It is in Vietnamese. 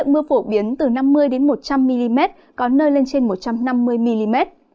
mưa phổ biến từ năm mươi một trăm linh mm có nơi lên trên một trăm năm mươi mm